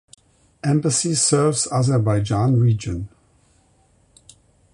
Embassy serves Azerbaijan region.